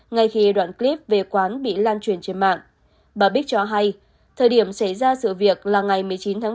ngay khi đoạn clip về quán bị lan truyền trên mạng